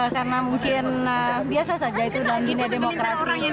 karena mungkin biasa saja itu dan gini demokrasi